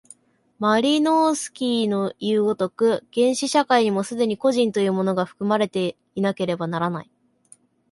マリノースキイのいう如く、原始社会にも既に個人というものが含まれていなければならない。